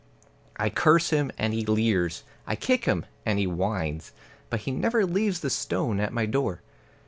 I curse him, and he leers; I kick him, and he whines; But he never leaves the stone at my door.